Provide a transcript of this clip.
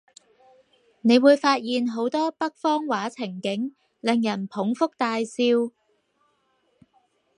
你會發現好多北方話情景，令人捧腹大笑